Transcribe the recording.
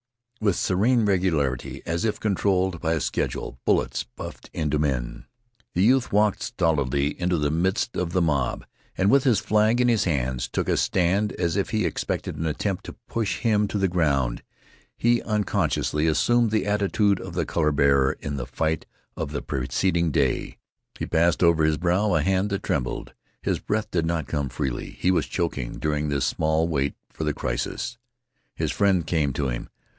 With serene regularity, as if controlled by a schedule, bullets buffed into men. The youth walked stolidly into the midst of the mob, and with his flag in his hands took a stand as if he expected an attempt to push him to the ground. He unconsciously assumed the attitude of the color bearer in the fight of the preceding day. He passed over his brow a hand that trembled. His breath did not come freely. He was choking during this small wait for the crisis. His friend came to him.